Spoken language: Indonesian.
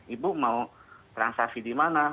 ibu mau transaksi di mana